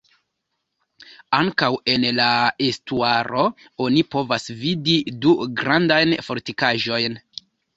Ankaŭ en la estuaro oni povas vidi du grandajn fortikaĵojn.